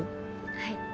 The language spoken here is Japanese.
はい。